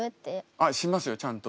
あっしますよちゃんと。